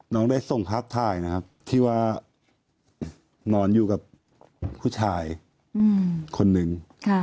น้องได้ส่งภาพทายที่ว่านอนอยู่กับผู้ชายคนหนึ่ง